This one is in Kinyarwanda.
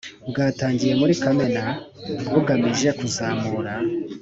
bwatangiye muri Kamena, bugamije kuzamura